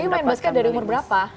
dia main basket dari umur berapa